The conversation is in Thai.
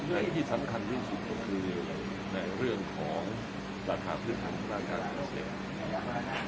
แต่ที่สำคัญที่สุดก็คือในเรื่องของราคาสูตรหลายราคาสิ้น